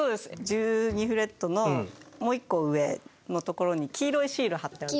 １２フレットのもう一個上のところに黄色いシール貼ってある。